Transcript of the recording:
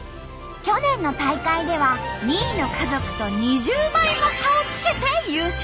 去年の大会では２位の家族と２０倍も差をつけて優勝！